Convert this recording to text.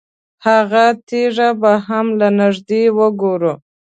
هغه تیږه به هم له نږدې وګورو.